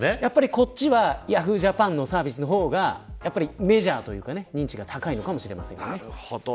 こっちはＹａｈｏｏ！ＪＡＰＡＮのサービスの方が認知が高いのかもしれませんね。